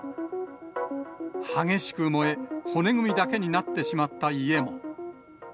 激しく燃え、骨組みだけになってしまった家も。